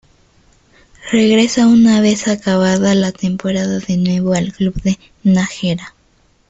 Regresa una vez acabada la temporada de nuevo al club de Nájera.